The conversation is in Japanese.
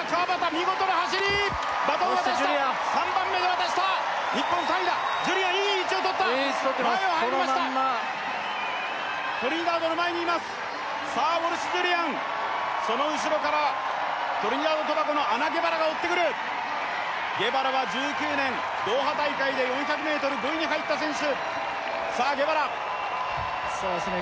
見事な走りバトン渡した３番目に渡したそしてジュリアン日本３位だジュリアンいい位置をとったいい位置とってます前を入りましたトリニダードの前にいますさあウォルシュ・ジュリアンその後ろからトリニダード・トバゴのゲバラが追ってくるゲバラは１９年ドーハ大会で４００ｍ５位に入った選手さあゲバラそうですね